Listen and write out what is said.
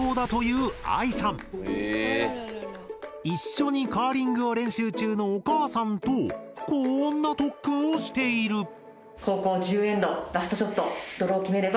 一緒にカーリングを練習中のお母さんとこんな特訓をしている！